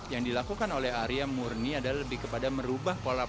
yang dilakukan oleh arya murni adalah lebih kepada merubah pola